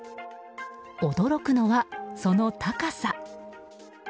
驚くのは、その高さ。